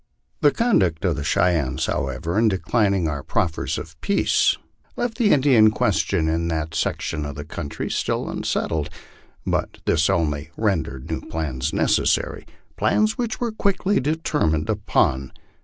The conduct of the Cheyennes, however, in declining our proffers of peace, left the Indian question in that section of country still unsettled ; but this only rendered new plans necessary, plans which were quickly determined upon.